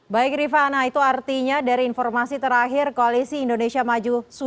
baik rifana itu artinya dari informasi terakhir koalisi indonesia maju